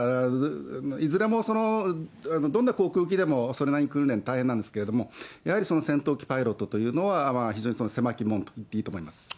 いずれも、どんな航空機でもそれなりに訓練、大変なんですけれども、やはりその戦闘機パイロットというのは、非常に狭き門と言っていいと思います。